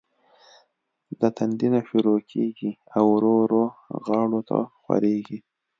د تندي نه شورو کيږي او ورو ورو غاړو ته خوريږي